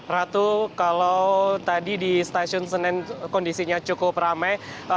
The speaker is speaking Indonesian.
ratu kalau tadi di stasiun senen kondisinya cukup ramai